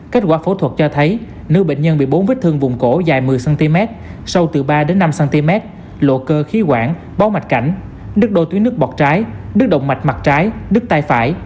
kết quả phẫu thuật cho thấy nữ bệnh nhân bị bốn vết thương vùng cổ dài một mươi cm sâu từ ba năm cm lộ cơ khí quản báo mạch cảnh đứt đôi tuyến nước bọt trái đứt động mạch mặt trái đứt tay phải